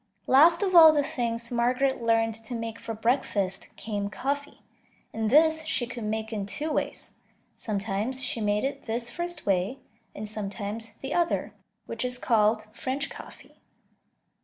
Last of all the things Margaret learned to make for breakfast came coffee, and this she could make in two ways; sometimes she made it this first way, and sometimes the other, which is called French coffee.